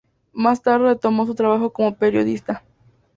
Más tarde retomó su trabajo como periodista.